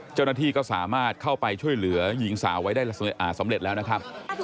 เจ้าหน้าที่ก็สามารถเข้าไปช่วยเหลือหญิงสาวไว้ได้สำเร็จแล้วนะครับ